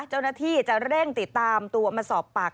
เจ้าหน้าที่จะเร่งติดตามตัวมาสอบปาก